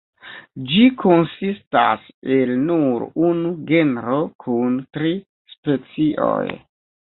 Ĝi konsistas el nur unu genro kun tri specioj.